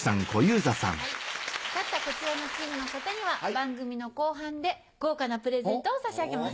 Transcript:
勝ったこちらのチームの方には番組の後半で豪華なプレゼントを差し上げます。